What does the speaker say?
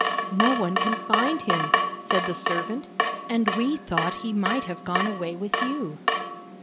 "" No one can find him," said the servant, " and we thought he might have gone away with you."